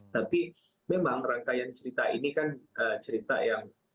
tapi memang rangkaian cerita ini kan cerita yang